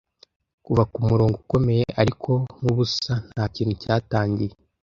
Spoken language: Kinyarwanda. Kuva kumurongo ukomeye, ariko nkubusa ntakintu cyatangiye--